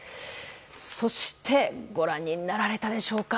そしてご覧になられたでしょうか。